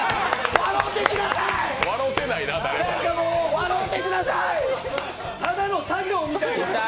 笑ってください！